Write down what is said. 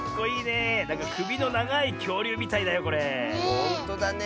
ほんとだね。